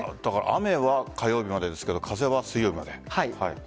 雨は火曜日までですが風は水曜日まで。